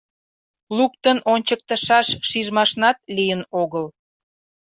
Луктын ончыктышаш шижмашнат лийын огыл.